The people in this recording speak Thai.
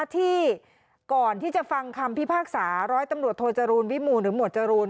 ที่ก่อนที่จะฟังคำพิพากษาร้อยตำรวจโทจรูลวิมูลหรือหมวดจรูน